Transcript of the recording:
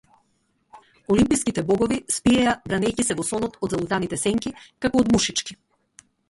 Олимпските богови спиеја бранејќи се во сонот од залутаните сенки, како од мушички.